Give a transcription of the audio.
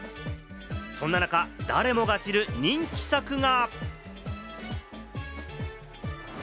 そんな中、誰もが知る人気作が。